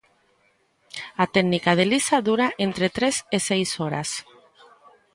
A técnica de Elisa dura entre tres e seis horas.